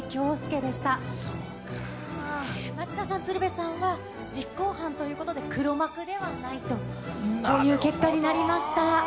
町田さん、鶴瓶さんは実行犯ということで、黒幕ではないという結果になりました。